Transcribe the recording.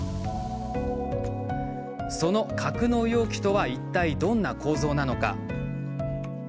その格納容器とはいったい、どんな構造なのか。